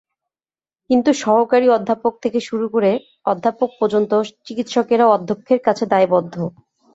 কিন্তু সহকারী অধ্যাপক থেকে শুরু করে অধ্যাপক পর্যন্ত চিকিৎসকেরা অধ্যক্ষের কাছে দায়বদ্ধ।